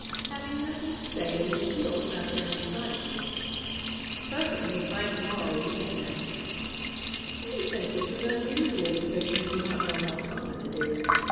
Having nothing to say, Lucile sat there in silence. Presently Frank Morrow began, "You think this is unusual because you do not know how common it is.